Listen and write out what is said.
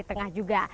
di tengah juga